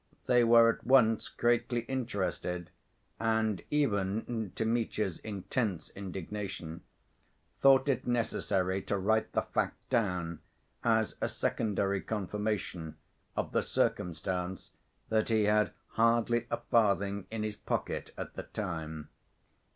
They were at once greatly interested, and even, to Mitya's intense indignation, thought it necessary to write the fact down as a secondary confirmation of the circumstance that he had hardly a farthing in his pocket at the time.